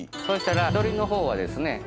そうしたら鳥のほうはですね